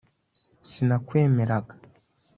sinakwemeraga